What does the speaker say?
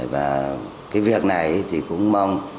và cái việc này thì cũng mong